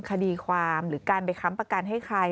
คดีความหรือการไปค้ำประกันให้ใคร